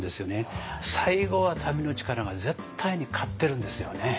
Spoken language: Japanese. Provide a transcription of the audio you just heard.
最後は民の力が絶対に勝ってるんですよね。